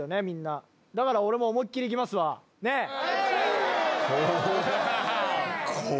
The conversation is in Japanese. みんなだから俺も思いっきりいきますわねえ？